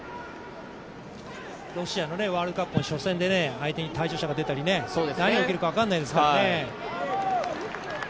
ロシアのワールドカップも初戦で、相手に退場者が出たり何が起きるか分からないですからね。